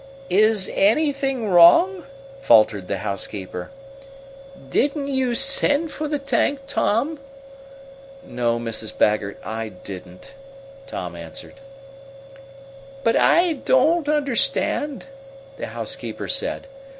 "Is anything wrong?" faltered the housekeeper. "Didn't you send for the tank, Tom?" "No, Mrs. Baggert, I didn't," Tom answered. "But I don't understand," the housekeeper said.